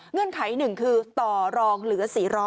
เงื่อนไขหนึ่งคือต่อรองเหลือ๔๐๐